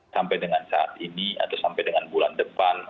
sampai dengan saat ini atau sampai dengan bulan depan